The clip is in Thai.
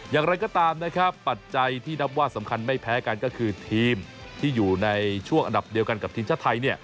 อย่างไรก็ตามนะครับปัจจัยที่นับว่าสำคัญไม่แพ้กันก็คือทีมที่อยู่ในช่วงอันดับเดียวกันกับทีมชาติไทย